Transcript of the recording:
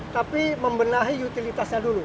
tapi membenahi utilitasnya dulu